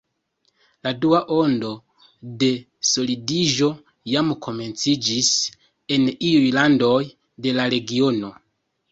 La dua ondo de solidiĝo jam komenciĝis en iuj landoj de la regiono.